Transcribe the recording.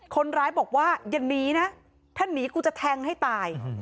คนร้ายบอกว่าอย่าหนีนะถ้าหนีกูจะแทงให้ตาย